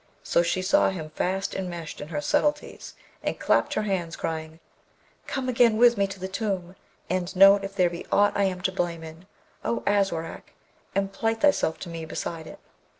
So she saw him fast enmeshed in her subtleties, and clapped her hands crying, 'Come again with me to the tomb, and note if there be aught I am to blame in, O Aswarak, and plight thyself to me beside it.'